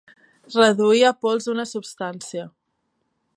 Reduir a pols una substància.